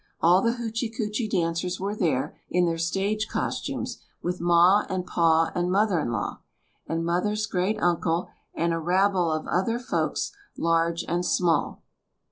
All the Hoochy koochy dancers were there, in their stage costumes, with ma and pa and mother in law, and mother's great uncle and a rabble of other folks, large and small.